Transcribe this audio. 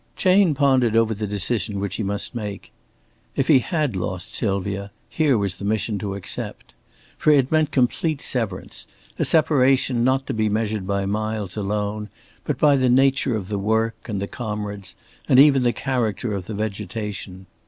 Chayne pondered over the decision which he must make. If he had lost Sylvia, here was the mission to accept. For it meant complete severance, a separation not to be measured by miles alone, but by the nature of the work, and the comrades, and even the character of the vegetation.